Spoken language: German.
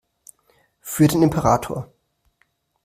Für den Imperator!